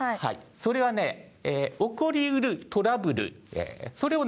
それはね起こりうるトラブルそれをね